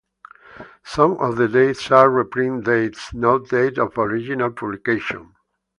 Some of the dates are reprint dates, not date of original publication.